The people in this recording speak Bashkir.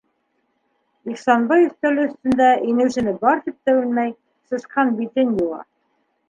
Ихсанбай өҫтәле өҫтөндә, инеүсене бар тип тә белмәй, сысҡан битен йыуа.